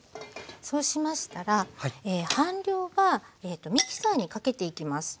そうしましたら半量はミキサーにかけていきます。